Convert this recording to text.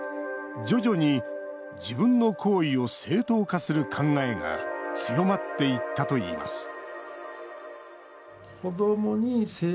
徐々に自分の行為を正当化する考えが強まっていったといいます